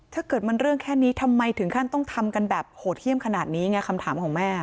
ถ้าเกิดมันเรื่องแค่นี้ทำไมถึงขั้นต้องทำกันแบบโหดเยี่ยมขนาดนี้ไงคำถามของแม่